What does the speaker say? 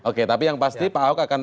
oke tapi yang pasti pak ahok akan